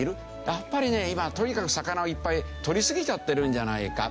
やっぱりね今とにかく魚をいっぱいとりすぎちゃってるんじゃないか。